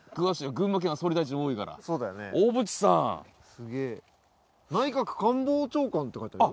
群馬県は総理大臣多いからそうだよね小渕さん内閣官房長官って書いてあるよ